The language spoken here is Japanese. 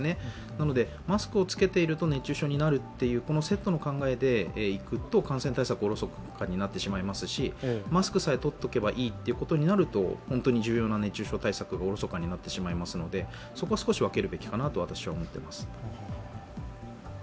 なので、マスクをつけていると熱中症になるというセットの考えでいくと感染対策がおろそかになってしまいますし、マスクさえ取っておけばいいということになると本当に重要な熱中症対策がおろそかになってしまいますので、そこは少し分けるべきかなと思っております。